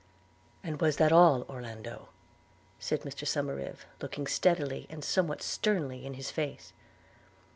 'And was that all, Orlando?' said Mr Somerive, looking steadily, and somewhat sternly, in his face.